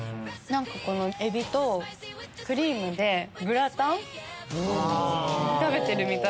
エビとクリームでグラタン食べてるみたいです。